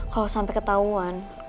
kalo sampe ketauan